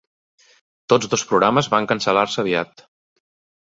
Tots dos programes van cancel·lar-se aviat.